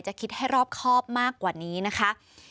คิดให้รอบครอบมากกว่านี้นะคะ